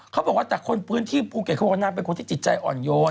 เขาบอกว่าแต่คนพื้นที่ภูเก็ตเขาบอกว่านางเป็นคนที่จิตใจอ่อนโยน